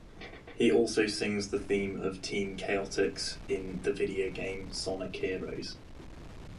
He also sings the theme of Team Chaotix in the video game "Sonic Heroes".